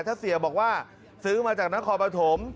ถ้าเสียบอกว่าซื้อมาจากน้องคอปภัทม